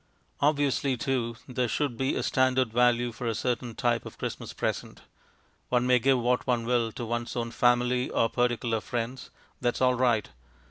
Obviously, too, there should be a standard value for a certain type of Christmas present. One may give what one will to one's own family or particular friends; that is all right.